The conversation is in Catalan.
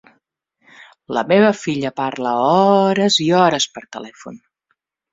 La meva filla parla hores i hores per telèfon.